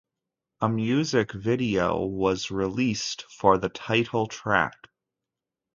A music video was released for the title track.